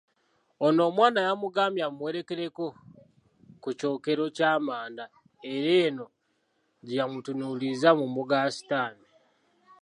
Ono, omwana yamugambye amuwerekereko ku kyokero ky'amanda era eno gye yamutunuulirizza mu mbuga ya sitaani.